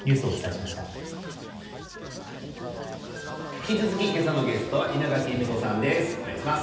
引き続きけさのゲストは稲垣えみ子さんです。